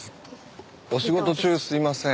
お仕事中すいません。